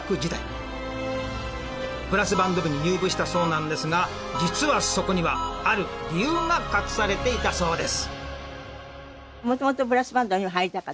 ブラスバンド部に入部したそうなんですが実はそこにはある理由が隠されていたそうです。